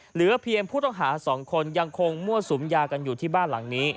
เหลือเพียงผู้ต้องหา๒คนยังคงมั่วสุมยากันอยู่ที่บ้านหลังนี้